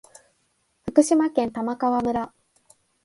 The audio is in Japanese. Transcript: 福島県玉川村